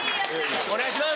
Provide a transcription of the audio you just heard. お願いします。